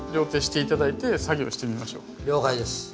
了解です。